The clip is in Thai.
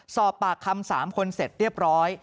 สอบปากคำ๓คนเสร็จเรียบร้อย